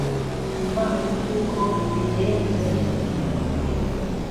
mu mazi, kuko bindeh yari kuvugana n'ijwi rya